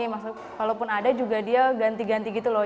masuk walaupun ada juga dia ganti ganti gitu loh